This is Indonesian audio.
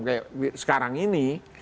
kayak sekarang ini